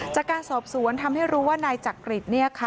จากการสอบสวนทำให้รู้ว่านายจักริต